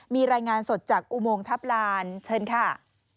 มีรายงานสดจากอุโมงทัพลานเชิญค่ะ